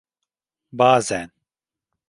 Bazen.